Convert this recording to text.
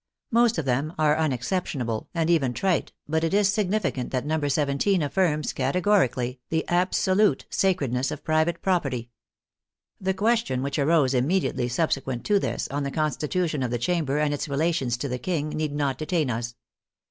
Most of them are unexceptionable and even trite, but it is significant that number 17 affirms, categorically, the absolute sacredness of private property. The question which arose immedi ately subsequent to this, on the constitution of the Cham ber and its relations to the King, need not detain us.